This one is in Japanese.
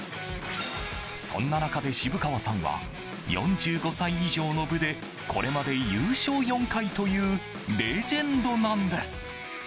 そんな中で、渋川さんは４５歳以上の部でこれまで優勝４回というレジェンドなんです。